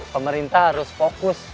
pemerintah harus fokus